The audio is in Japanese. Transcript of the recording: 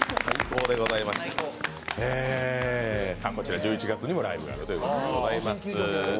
１１月にもライブがあるということでございます。